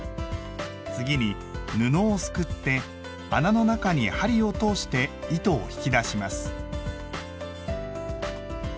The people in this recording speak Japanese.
次に布をすくって穴の中に針を通して糸を引き出します。